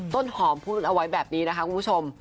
ต้นหอมพูดเอาไว้แบบนี้นะคะคุณผู้ชม